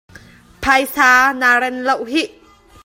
Phaisa na ren lo hih.